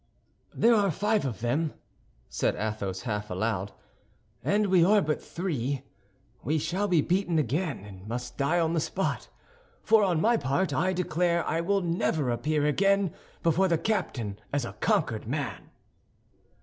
"There are five of them," said Athos, half aloud, "and we are but three; we shall be beaten again, and must die on the spot, for, on my part, I declare I will never appear again before the captain as a conquered man."